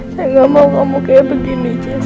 saya nggak mau kamu kayak begini jess